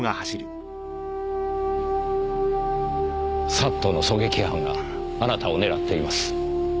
ＳＡＴの狙撃班があなたを狙っています。